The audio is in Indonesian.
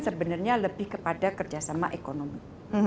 sebenarnya lebih kepada kerjasama ekonomi